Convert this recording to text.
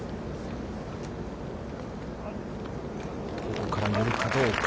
ここから乗るかどうか。